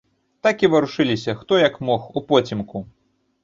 Так і варушыліся, хто як мог, упоцемку.